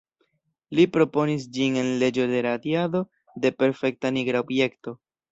Li proponis ĝin en leĝo de radiado de perfekta nigra objekto.